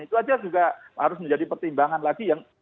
itu aja juga harus menjadi pertimbangan lagi yang